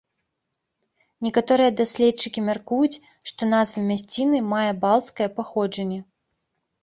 Некаторыя даследчыкі мяркуюць, што назва мясціны мае балцкае паходжанне.